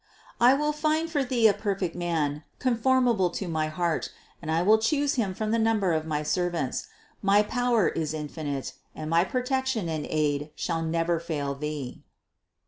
I will find for Thee a per fect man conformable to my heart and I will choose him from the number of my servants; my power is infinite, and my protection and aid shall never fail Thee."